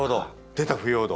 出た腐葉土。